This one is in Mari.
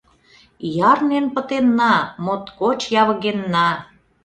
Ярнен пытенна, моткоч явыгенна.